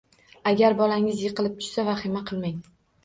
Agar bolangiz yiqilib tushsa, vahima qilmang.